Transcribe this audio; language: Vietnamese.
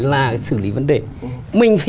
là xử lý vấn đề mình phải